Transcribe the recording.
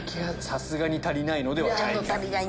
さすがに足りないのではないか。